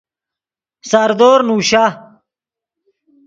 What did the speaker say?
ساردور نوشا